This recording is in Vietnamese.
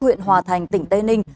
huyện hòa thành tỉnh tây ninh